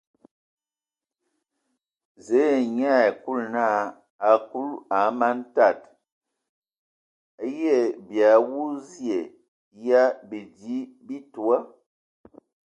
Zǝ nye ai Kulu naa : a Kulu, a man tad, eyə bii awu zie ya bidi bi toa ?